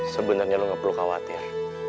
sebenernya lo nggak perlu khawatir